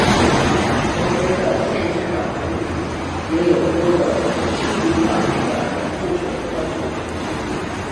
同年的县市长选举中也有多个具亲民党籍的候选人当选。